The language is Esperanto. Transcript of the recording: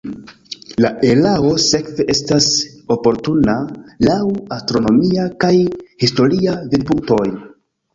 La erao sekve estas oportuna laŭ astronomia kaj historia vidpunktoj.